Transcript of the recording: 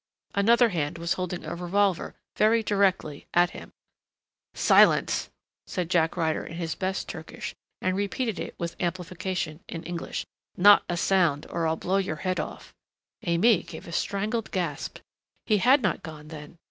Another hand was holding a revolver very directly at him. "Silence!" said Jack Ryder in his best Turkish and repeated it, with amplification, in English. "Not a sound or I'll blow your head off." Aimée gave a strangled gasp. He had not gone, then!